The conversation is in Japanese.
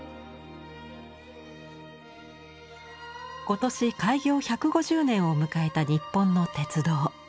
今年開業１５０年を迎えた日本の鉄道。